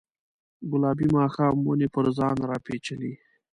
ګلابي ماښام ونې پر ځان راپیچلې